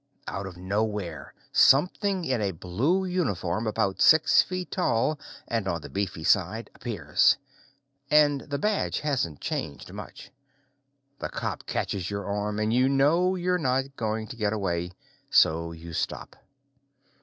Out of nowhere, something in a blue uniform about six feet tall and on the beefy side appears and the badge hasn't changed much. The cop catches your arm and you know you're not going to get away, so you stop.